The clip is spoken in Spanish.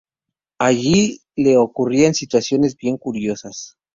Allí le ocurrirán situaciones bien curiosas.